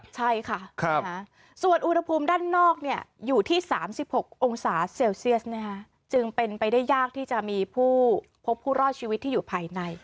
ใช่ค่ะส่วนอุณหภูมิด้านนอกอยู่ที่๓๖องศาเซลเซียสจึงเป็นไปได้ยากที่จะมีผู้พบผู้รอดชีวิตที่อยู่ภายใน